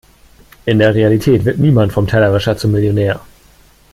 In der Realität wird niemand vom Tellerwäscher zum Millionär.